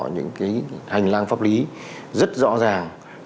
những hành lang pháp lý rất rõ ràng